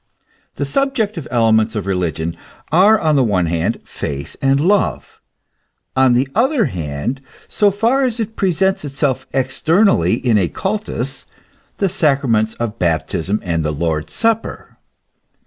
The subjective elements of religion are on the one hand Faith and Love; on the other hand, so far as it presents itself externally in a cultus, the sacraments of Baptism and the Lord's Supper.